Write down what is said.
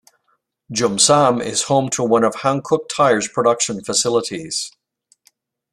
Geumsam is home to one of Hankook Tire's production facilities.